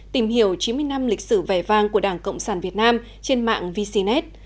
tìm hiểu chín mươi năm lịch sử vẻ vang của đảng cộng sản việt nam trên mạng vcnet